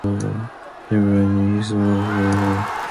For many years he lived at Orford Hall.